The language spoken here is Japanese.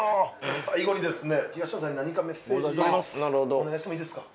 最後にですね東野さんに何かメッセージをお願いしてもいいですか？